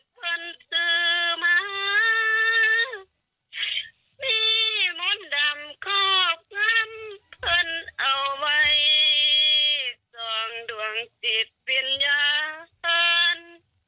เพลินซื้อมามีมนต์ดำขอบงั้นเพลินเอาไว้ส่องดวงจิตเป็นยาเผิน